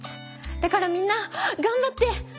だからみんながんばって！